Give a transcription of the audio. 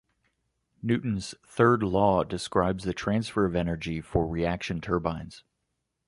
Newton's third law describes the transfer of energy for reaction turbines.